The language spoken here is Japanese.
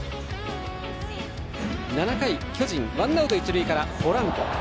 ７回、巨人ワンアウト一塁からポランコ。